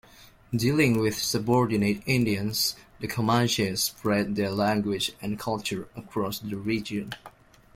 Dealing with subordinate Indians, the Comanche spread their language and culture across the region.